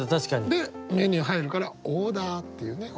でメニュー入るから「オーダー」っていうね。